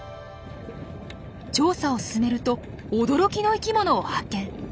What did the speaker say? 調査を進めると驚きの生きものを発見！